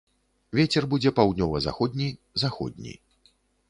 Вецер будзе паўднёва-заходні, заходні.